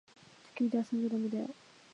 たき火で遊んじゃだめだよ。